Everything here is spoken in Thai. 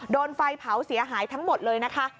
โดนไฟเผาเสียหายทั้งหมดเลยนะคะ